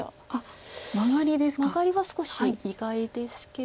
マガリは少し意外ですけど。